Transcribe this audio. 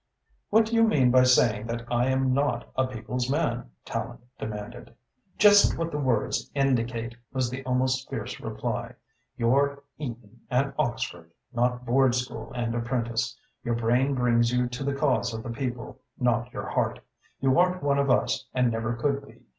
"What do you mean by saying that I am not a people's man?" Tallente demanded. "Just what the words indicate," was the almost fierce reply. "You're Eton and Oxford, not board school and apprentice. Your brain brings you to the cause of the people, not your heart. You aren't one of us and never could be.